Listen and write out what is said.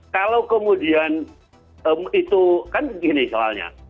kalau kemudian itu kan begini soalnya